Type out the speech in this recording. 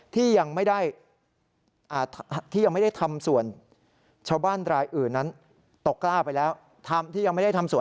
ที่ยังไม่ได้ทำส่วนชาวบ้านรายอื่นนั้นตกล้าไปแล้ว